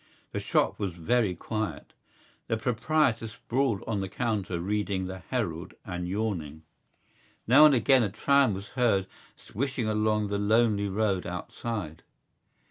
The shop was very quiet. The proprietor sprawled on the counter reading the Herald and yawning. Now and again a tram was heard swishing along the lonely road outside.